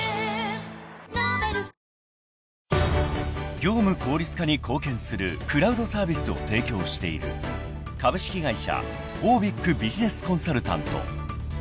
［業務効率化に貢献するクラウドサービスを提供している株式会社オービックビジネスコンサルタント］